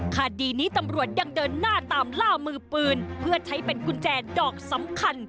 คดีนี้ตำรวจยังเดินหน้าตามล่ามือปืนเพื่อใช้เป็นกุญแจดอกสำคัญ